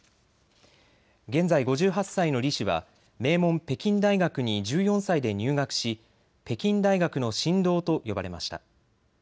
現在、５８歳の李氏は名門北京大学に１４歳で入学し北京大学の神童と呼ばれました。